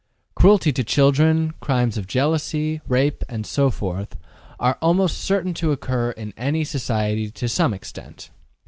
Cruelty to children, crimes of jealousy, rape, and so forth, are almost certain to occur in any society to some extent.